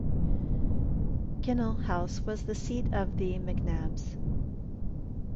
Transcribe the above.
Kinnell House was the seat of the MacNabs.